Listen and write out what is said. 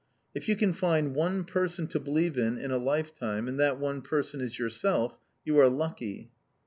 If you can find one person to believe in in a lifetime, and that one person is yourself, you are lucky!